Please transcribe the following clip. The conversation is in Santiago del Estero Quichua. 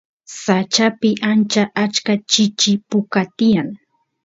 sachapi ancha achka chinchi puka tiyan